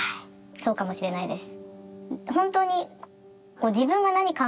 そうかもしれないです。